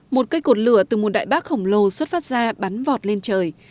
một cây cột lửa từ một đại bác khổng lồ xuất phát ra bắn vọt lên trời